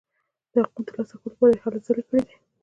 د حقونو ترلاسه کولو لپاره یې هلې ځلې کړي دي.